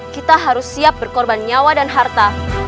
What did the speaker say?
kita harus siap berkorban nyawa dan harta